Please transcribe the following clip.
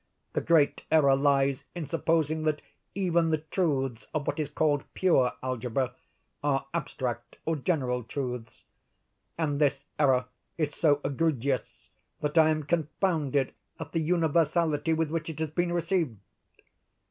The great error lies in supposing that even the truths of what is called pure algebra, are abstract or general truths. And this error is so egregious that I am confounded at the universality with which it has been received.